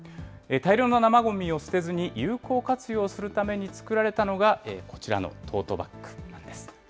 大量の生ごみを捨てずに有効活用するために作られたのが、こちらのトートバッグなんです。